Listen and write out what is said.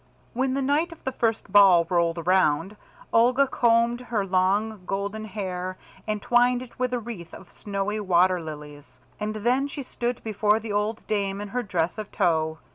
When the night of the first ball rolled around, Olga combed her long golden hair and twined it with a wreath of snowy water lilies, and then she stood before the old dame in her dress of tow.